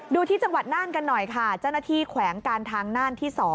ดูที่จังหวัดน่านกันหน่อยค่ะเจ้าหน้าที่แขวงการทางน่านที่๒